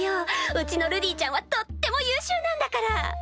うちのルディちゃんはとっても優秀なんだから！